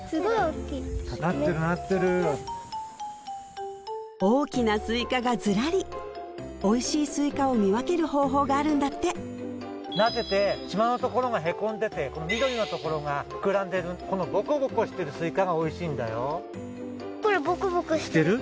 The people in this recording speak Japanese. めっちゃ大きなスイカがずらりおいしいスイカを見分ける方法があるんだってなでてしまのところがへこんでてこの緑のところが膨らんでるこのボコボコしてるスイカがおいしいんだよしてる？